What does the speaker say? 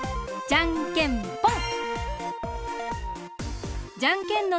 じゃんけんぽん！